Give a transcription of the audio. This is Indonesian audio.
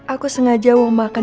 aku sengaja mau makan